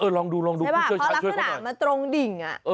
เออเออลองดูคุณเชิญใช่ไหมเพราะลักษณะมันตรงดิ่ง